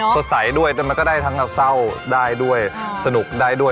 สวยไส้ด้วยก็ได้ทั้งเศร้าได้ด้วยสนุกได้ด้วย